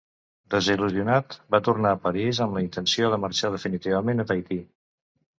Desil·lusionat va tornar a París amb la intenció de marxar definitivament a Tahití.